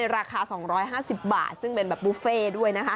ราคา๒๕๐บาทซึ่งเป็นแบบบุฟเฟ่ด้วยนะคะ